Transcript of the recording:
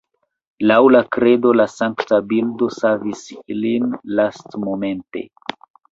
Laŭ la kredo la sankta bildo savis ilin lastmomente.